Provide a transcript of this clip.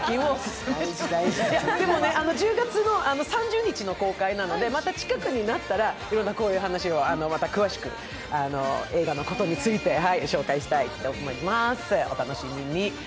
でもね、１０月の３０日公開なので近くになったらいろんなこういう話をまた詳しく、映画のことについて紹介したいと思います、お楽しみに。